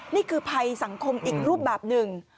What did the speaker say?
นี่คือภัยสังคมอีกรูปแบบหนึ่ง